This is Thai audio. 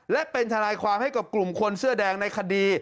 และเป็นทนายความให้กับกลุ่มคนเสื้อแดงในคดี